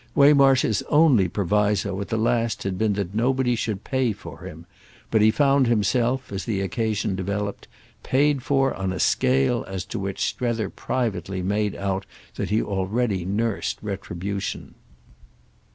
Waymarsh's only proviso at the last had been that nobody should pay for him; but he found himself, as the occasion developed, paid for on a scale as to which Strether privately made out that he already nursed retribution.